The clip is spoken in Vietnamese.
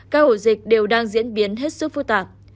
các ổ dịch đều đang diễn biến hết sức phức tạp